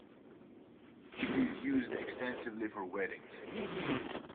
It is used extensively for weddings.